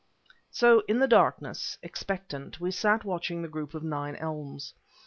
So in the darkness, expectant, we sat watching the group of nine elms.